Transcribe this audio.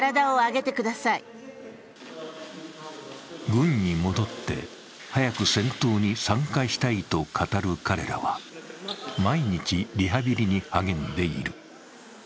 軍に戻って、早く戦闘に参加したいと語る彼らは毎日、リハビリに励んでいる。